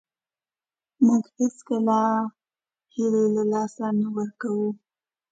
موږ هېڅکله هیله له لاسه نه ورکوو .